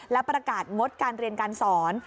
และประกาศงดการเรียนการสอน